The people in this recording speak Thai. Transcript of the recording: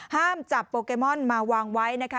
ห้ามจับโปเกมอนมาวางไว้นะคะ